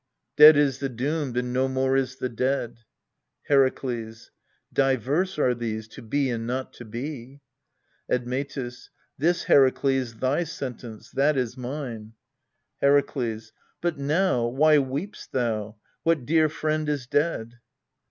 Dead is the doomed, and no more is the dead. Herakles. Diverse are these to be and not to be. Admctus. This, Herakles, thy sentence : that is mine. Heraklcs. But now, why weep'st thou ? What dear friend is dead